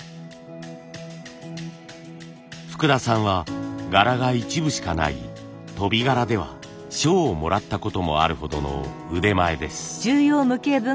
福田さんは柄が一部しかない飛び柄では賞をもらったこともあるほどの腕前です。